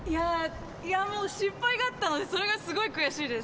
いやー、失敗があったので、それがすごい悔しいです。